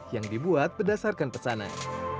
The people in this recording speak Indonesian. yang dibuat berdasarkan pesanan